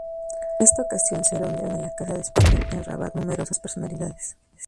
Para esta ocasión se reunieron en la Casa de España en Rabat numerosas personalidades.